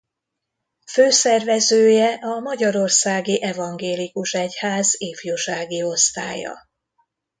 Főszervezője a Magyarországi Evangélikus Egyház Ifjúsági Osztálya.